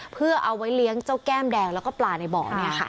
เพื่อเอาไว้เลี้ยงเจ้าแก้มแดงแล้วก็ปลาในบ่อเนี่ยค่ะ